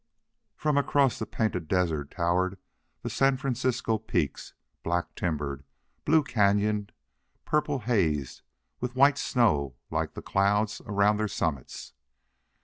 Far across the Painted Desert towered the San Francisco peaks, black timbered, blue canyoned, purple hazed, with white snow, like the clouds, around their summits.